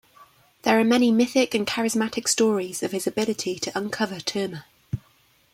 There are many mythic and charismatic stories of his ability to uncover Terma.